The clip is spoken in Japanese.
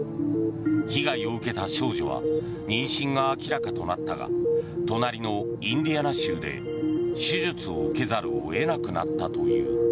被害を受けた少女は妊娠が明らかとなったが隣のインディアナ州で手術を受けざるを得なくなったという。